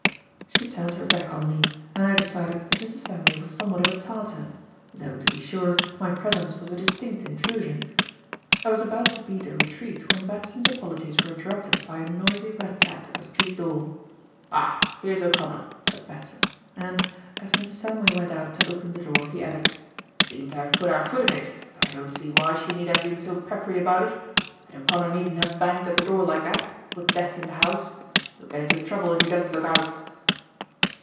She turned her back on me, and I decided that Mrs. Samway was somewhat of a Tartar; though, to be sure, my presence was a distinct intrusion. I was about to beat a retreat when Batson's apologies were interrupted by a noisy rat tat at the street door. "Ah, here's O'Connor," said Batson, and, as Mrs. Samway went out to open the door, he added: "Seem to have put our foot in it, though I don't see why she need have been so peppery about it. And O'Connor needn't have banged at the door like that, with death in the house. He'll get into trouble if he doesn't look out."